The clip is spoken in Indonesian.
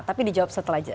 tapi dijawab setelah aja